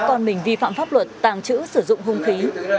con mình vi phạm pháp luật tàng trữ sử dụng hung khí